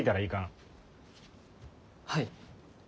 はい。